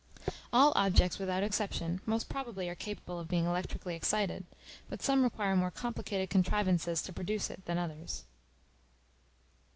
All objects, without exception, most probably are capable of being electrically excited; but some require more complicated contrivances to produce it than others.